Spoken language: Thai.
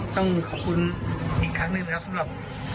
ต้องขอบคุณอีกครั้งหนึ่งนะครับสำหรับ